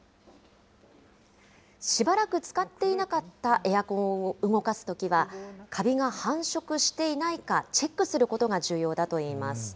しばらく使っていなかったエアコンを動かすときはカビが繁殖していないかチェックすることが重要だといいます。